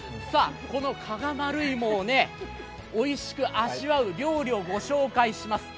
この加賀丸いもをおいしく味わう料理をご紹介します。